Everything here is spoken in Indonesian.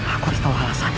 aku harus telah alasan